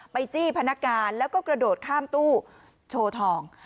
จี้พนักงานแล้วก็กระโดดข้ามตู้โชว์ทอง